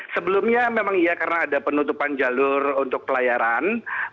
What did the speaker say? sebelumnya memang iya karena ada penutupan jalur untuk pelayaran